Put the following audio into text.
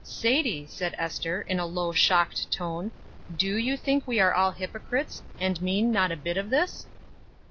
"Sadie," said Ester, in a low, shocked tone, "do you think we are all hypocrites, and mean not a bit of this?"